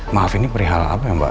maaf ini perihal apa ya mbak